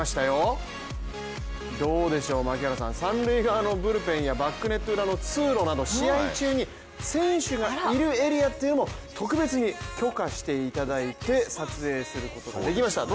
どうでしょう、三塁側のブルペンやバックネット裏の通路など試合中に選手がいるエリアというのも特別に許可していただいて撮影することができました。